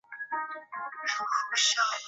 他成为了保育运动中的一个象征性人物。